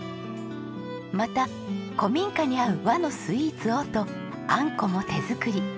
また古民家に合う和のスイーツをとあんこも手作り。